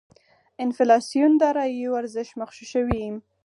انفلاسیون داراییو ارزش مغشوشوي.